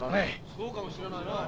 そうかもしれないなあ。